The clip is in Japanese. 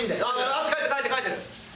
汗かいてるかいてるかいてる！